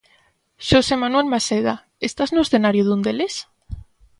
Xosé Manuel Maseda, estás no escenario dun deles?